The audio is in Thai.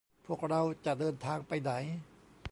พวกเราจะเดินทางไปไหน